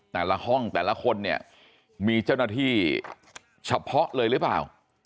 แต่ละห้องแต่ละคนเนี่ยมีเจ้าหน้าที่เฉพาะเลยหรือเปล่า